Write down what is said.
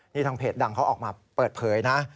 นี่ทางเพจดังเขาออกมาเปิดเผยนะ